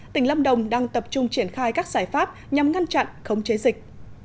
tỉnh lâm đồng đang tập trung triển khai các giải pháp nhằm ngăn chặn khống chế dịch